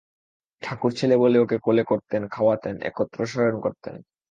ঠাকুর ছেলে বলে ওকে কোলে করতেন, খাওয়াতেন, একত্র শয়ন করতেন।